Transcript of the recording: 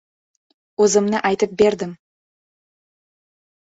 O‘zimni aytib berdim.